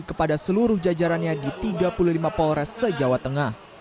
kepada seluruh jajarannya di tiga puluh lima polres se jawa tengah